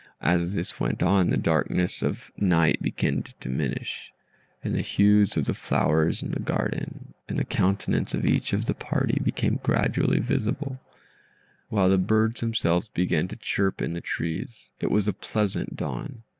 As this went on, the darkness of night began to diminish, and the hues of the flowers in the garden, and the countenance of each of the party, became gradually visible, while the birds themselves began to chirp in the trees. It was a pleasant dawn.